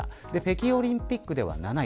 北京オリンピックでは７位。